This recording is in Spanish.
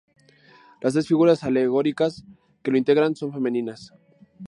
Las tres figuras alegóricas que lo integran son femeninas.